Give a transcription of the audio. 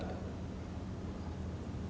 dalam reformasi birokrasi